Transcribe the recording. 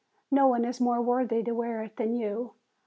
No one is more worthy to wear it than you.